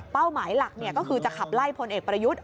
หมายหลักก็คือจะขับไล่พลเอกประยุทธ์